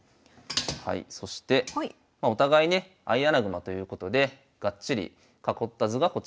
はいそしてまあお互いね相穴熊ということでガッチリ囲った図がこちらになります。